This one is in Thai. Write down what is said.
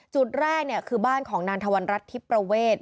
จุดแรกคือบ้านของนางธวรรณรัฐทิพประเวท